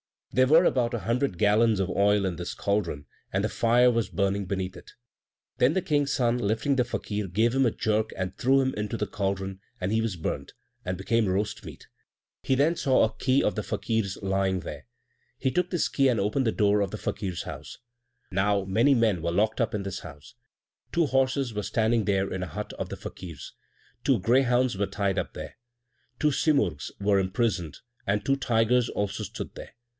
There were about a hundred gallons of oil in this caldron, and the fire was burning beneath it. Then the King's son, lifting the Fakir, gave him a jerk and threw him into the caldron, and he was burnt, and became roast meat. He then saw a key of the Fakir's lying there; he took this key and opened the door of the Fakir's house. Now many men were locked up in this house; two horses were standing there in a hut of the Fakir's; two greyhounds were tied up there; two simurgs were imprisoned, and two tigers also stood there.